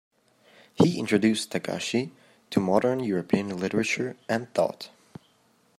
He introduced Thakazhi to modern European literature and thought.